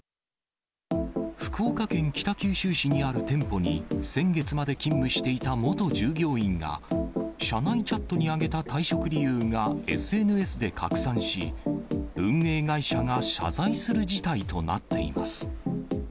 福岡県北九州市にある店舗に、先月まで勤務していた元従業員が、社内チャットに挙げた退職理由がＳＮＳで拡散し、運営会社が謝罪する事態となっています。